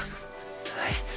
はい。